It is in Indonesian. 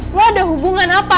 lo ada hubungan apa